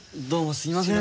すいません。